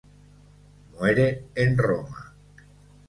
Muere en Roma.